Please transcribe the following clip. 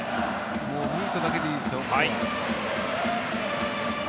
ミートだけでいいですよ。